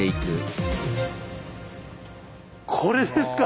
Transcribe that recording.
これですか？